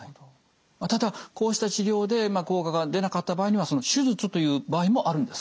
まあただこうした治療で効果が出なかった場合には手術という場合もあるんですか？